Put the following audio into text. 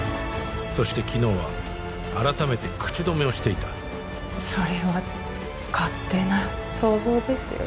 そして昨日は改めて口止めをしていたそれは勝手な想像ですよね？